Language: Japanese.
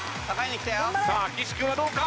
さあ岸君はどうか？